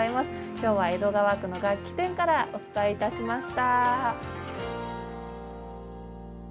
きょうは江戸川区の楽器店からお伝えいたしました。